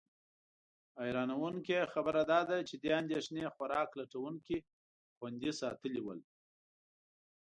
حیرانونکې خبره دا ده چې دې اندېښنې خوراک لټونکي خوندي ساتلي ول.